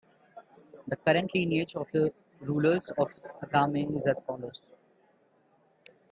The current lineage of the rulers of Agame is as follows.